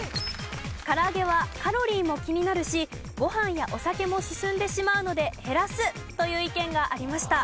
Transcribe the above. から揚げはカロリーも気になるしごはんやお酒も進んでしまうので減らすという意見がありました。